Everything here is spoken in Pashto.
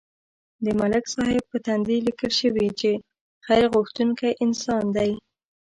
د ملک صاحب په تندي لیکل شوي چې خیر غوښتونکی انسان دی.